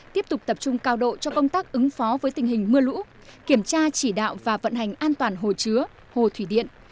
tiếp tục tập trung cao độ cho công tác ứng phó với tình hình mưa lũ kiểm tra chỉ đạo và vận hành an toàn hồ chứa hồ thủy điện